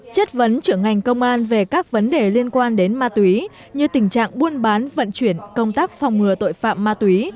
chất vấn trưởng ngành công an về các vấn đề liên quan đến ma túy như tình trạng buôn bán vận chuyển công tác phòng ngừa tội phạm ma túy